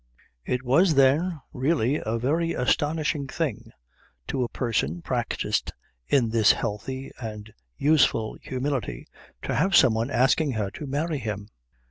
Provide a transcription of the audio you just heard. It was, then, really a very astonishing thing to a person practised in this healthy and useful humility to have some one asking her to marry him.